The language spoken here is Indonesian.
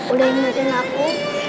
udah ingatin aku